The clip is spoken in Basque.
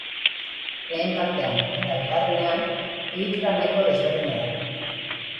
Lehen partean eta bigarrenean, egitura nahiko desberdina da.